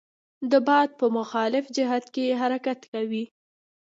د باد په مخالف جهت کې حرکت کوي.